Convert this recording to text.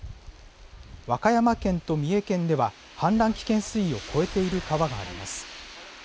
和歌山県と三重県では氾濫危険水位を超えている川があります。